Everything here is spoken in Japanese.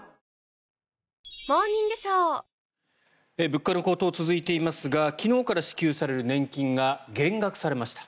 物価の高騰が続いていますが昨日から支給される年金が減額されました。